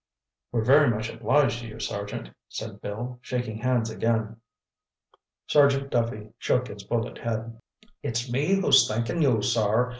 "We're very much obliged to you, Sergeant," said Bill, shaking hands again. Sergeant Duffy shook his bullet head. "It's me who's thankin' you, sor.